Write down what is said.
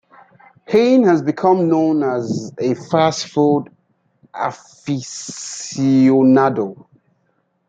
Hein has become known as a fast food aficionado.